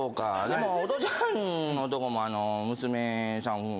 でもホトちゃんのとこもあの娘さん